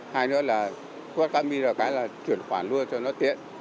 hai nữa là quét mã qr cái là chuyển khoản luôn cho nó tiện